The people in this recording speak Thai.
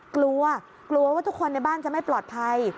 กลัวกลัวว่าทุกคนในบ้านจะไม่ปลอดภัย